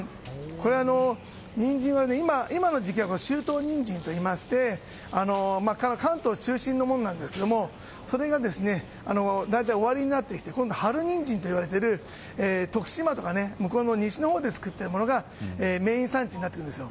これはニンジンは今の時期は秋冬ニンジンといいまして関東中心のものなんですがそれがだんだん終わりになってきて今度は春ニンジンといわれている徳島や西のほうで作っているものがメイン産地になってくるんです。